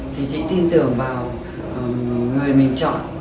thì chị tin tưởng vào người mình chọn